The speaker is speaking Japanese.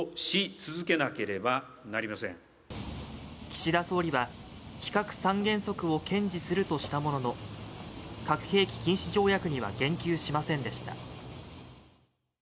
岸田総理は非核三原則を堅持するとしたものの核兵器禁止条約には言及しませんでした